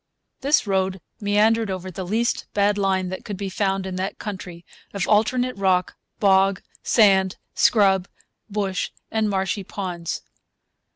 This road meandered over the least bad line that could be found in that country of alternate rock, bog, sand, scrub, bush, and marshy ponds.